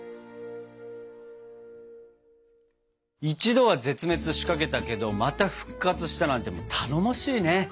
一度は絶滅しかけたけどまた復活したなんてもう頼もしいね！